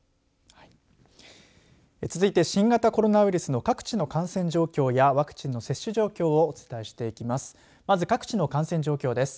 続いて新型コロナウイルスの各地の感染状況やワクチンの接種状況をお伝えしていきます。